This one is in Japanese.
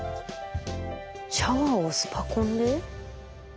シャワーをスパコンで？